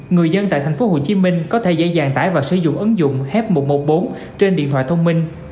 người dân tại tp hcm có thể dễ dàng tải và sử dụng ứng dụng h một trăm một mươi bốn trên điện thoại thông minh